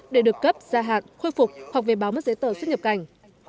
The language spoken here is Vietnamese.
để được cấp gia hạn khôi phục hoặc về báo mất giấy tờ xuất nhập cảnh